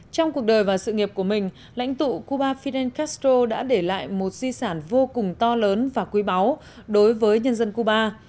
trong cuộc đời và sự nghiệp của mình lãnh tụ cuba fidel castro đã để lại một di sản vô cùng to lớn và quý báu đối với nhân dân cuba